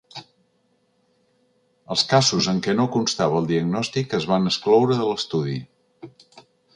Els casos en què no constava el diagnòstic es van excloure de l’estudi.